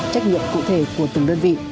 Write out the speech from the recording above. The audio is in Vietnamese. trách nhiệm cụ thể của từng đơn vị